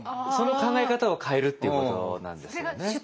その考え方を変えるっていうことなんですよね。